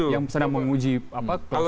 yang sedang menguji apa klausul pasal itu